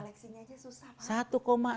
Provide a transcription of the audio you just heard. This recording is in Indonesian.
seleksinya aja susah pak